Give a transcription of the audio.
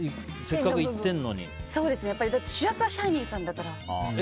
だって、主役はシャイニーさんだから。